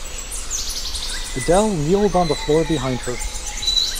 Adele kneeled on the floor behind her.